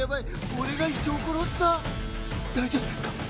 俺が人を殺した大丈夫ですか？